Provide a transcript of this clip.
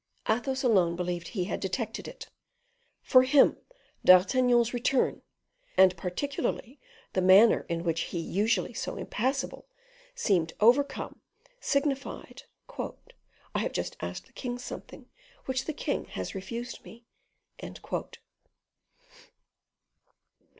Athos alone believed he had detected it. For him, D'Artagnan's return, and particularly the manner in which he, usually so impassible, seemed overcome, signified, "I have just asked the king something which the king has refused me."